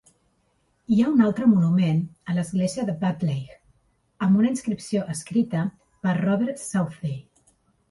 Hi ha un altre monument a l'església de Butleigh amb una inscripció escrita per Robert Southey.